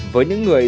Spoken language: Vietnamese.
với những người